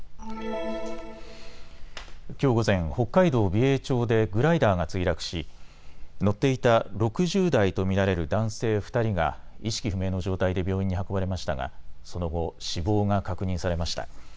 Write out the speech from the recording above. きょう午前、北海道美瑛町でグライダーが墜落し乗っていた６０代と見られる男性２人が意識不明の状態で病院に運ばれましたが、その後、死亡が確認されました。